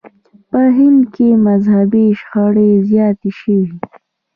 په هند کې مذهبي شخړې زیاتې شوې.